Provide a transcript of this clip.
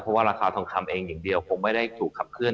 เพราะว่าราคาทองคำเองอย่างเดียวคงไม่ได้ถูกขับเคลื